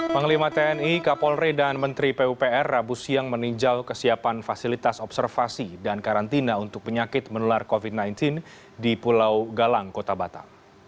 panglima tni kapolri dan menteri pupr rabu siang meninjau kesiapan fasilitas observasi dan karantina untuk penyakit menular covid sembilan belas di pulau galang kota batam